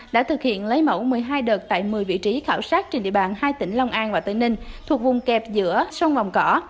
đã thực hiện lấy mẫu một mươi hai đợt tại một mươi vị trí khảo sát trên địa bàn hai tỉnh long an và tây ninh thuộc vùng kẹp giữa sông vòng cỏ